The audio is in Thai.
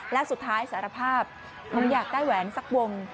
และสุดท้ายสารภาพผมอยากได้แหวนสักวง